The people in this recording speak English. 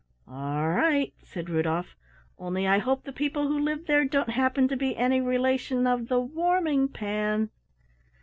"All right," said Rudolf, "only I hope the people who live there don't happen to be any relation of the Warming pan."